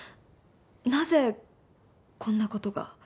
なぜこんな事が？